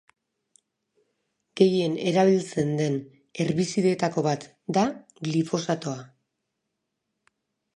Gehien erabiltzen de herbizidetako bat da glifosatoa.